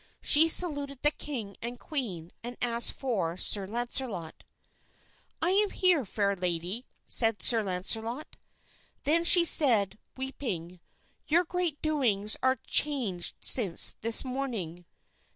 She saluted the king and queen and asked for Sir Launcelot. "I am here, fair lady," said Sir Launcelot. Then she said, weeping, "Your great doings are changed since this morning."